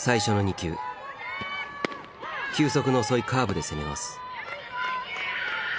球速の遅いカーブで攻めます。